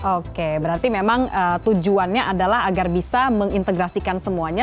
oke berarti memang tujuannya adalah agar bisa mengintegrasikan semuanya